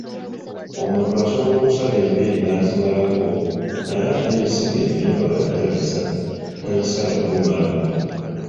"Omuntu asobola okusala enviiri n’azimalako naye ate ebisige byo abitaliza, tabisala kubimalako."